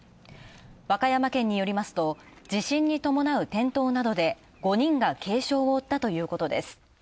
和歌山県によりますと、地震に伴う転倒などで５人が軽傷を負ったということです。